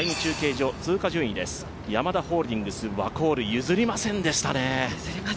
ヤマダホールディングス、ワコール譲りませんでしたね。